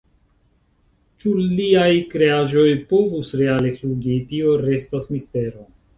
Ĉu liaj kreaĵoj povus reale flugi, tio restas mistero.